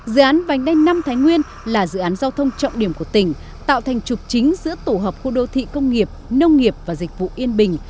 dự án vành đanh năm thái nguyên là dự án giao thông trọng điểm của tỉnh tạo thành trục chính giữa tổ hợp khu đô thị công nghiệp nông nghiệp và dịch vụ yên bình